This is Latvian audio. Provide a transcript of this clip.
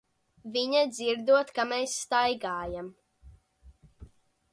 Viņa dzirdot, kā mēs staigājam.